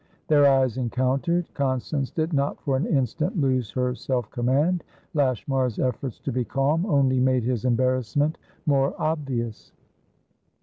Their eyes encountered. Constance did not for an instant lose her self command; Lashmar's efforts to be calm only made his embarrassment more obvious.